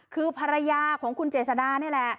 คือภรรยาของคุณเจษดานี่แหละ